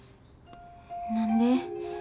何で？